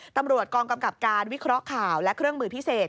ตำรวจกองกำกับการวิเคราะห์ข่าวและเครื่องมือพิเศษ